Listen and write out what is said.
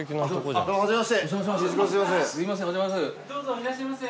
いらっしゃいませ。